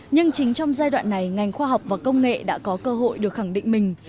nhưng chính trong giai đoạn này ngành khoa học và công nghệ đã có cơ hội được khẳng định mình